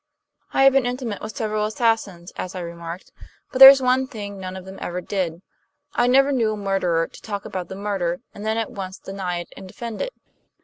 I have been intimate with several assassins, as I remarked; but there's one thing none of them ever did. I never knew a murderer to talk about the murder, and then at once deny it and defend it.